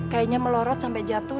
kayaknya melorot sampai jatuh